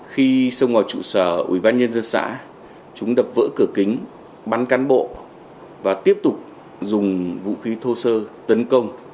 khi xông vào trụ sở ủy ban nhân dân xã chúng đập vỡ cửa kính bắn cán bộ và tiếp tục dùng vũ khí thô sơ tấn công